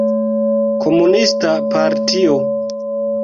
Komunista partio.